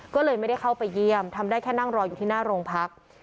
ก็เลยไม่ได้เข้าไปเยี่ยมทำได้แค่นั่งรออยู่ที่หน้าโรงพัก